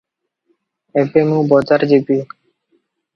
ଏବେ ମୁଁ ବଜାର ଯିବି